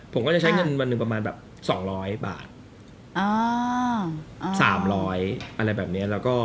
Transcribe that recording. ผมก็จะใช้เงินประมาณ๒๐๐บาท๓๐๐อะไรแบบเนี่ย